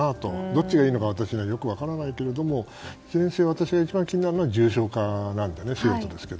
どっちがいいのか、私にはよく分からないけれども私が一番気になるのは重症化なんでね。